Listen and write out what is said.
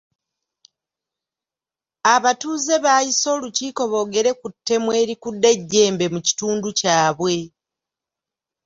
Abatuuze baayise olukiiko boogere ku ttemu erikudde ejjembe mu kitundu kyabwe.